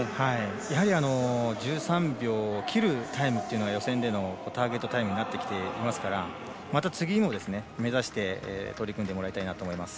やはり１３秒を切るタイムというのが予選でのターゲットタイムになってきていますからまた次も目指して取り組んでもらいたいなと思います。